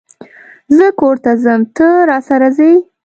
زه کور ته ځم ته، راسره ځئ؟